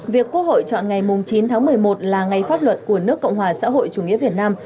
việc quốc hội chọn ngày chín tháng một mươi một là ngày pháp luật của nước cộng hòa xã hội chủ nghĩa việt nam